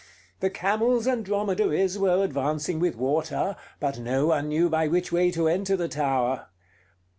The camels and dromedaries were advancing with water, but no one knew by which way to enter the tower.